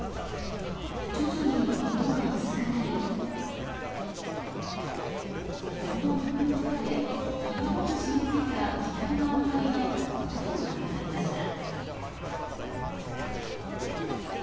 すると、徐々に色が薄くなりほんの１分ほどで色濃く染みついた左側のカビがほとんどなくなりました。